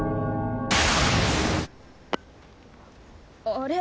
あれ？